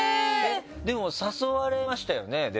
でも誘われましたよね？